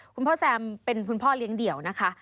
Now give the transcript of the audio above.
คุณพ่อแซมเป็นคุณพ่อเลี้ยงเดี่ยวนะคะ